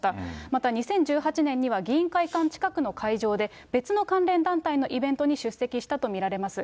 また２０１８年には議員会館近くの会場で別の関連団体のイベントに出席したと見られます。